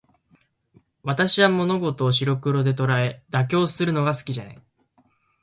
私は物事を白黒で捉え、妥協するのが好きじゃない。